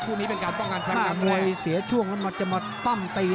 พวกนี้เป็นการป้องกันแชมป์กันเลยถ้าโมยเสียช่วงแล้วมันจะมาปั้มตีใน